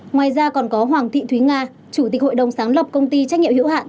ngoài ra còn có hoàng thị thúy nga chủ tịch hội đồng sáng lập công ty trách nhiệm hữu hạn